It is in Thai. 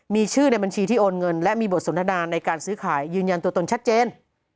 มีชื่อในบัญชีที่โอนเงินและมีบทสนทนาในการซื้อขายยืนยันตัวตนชัดเจน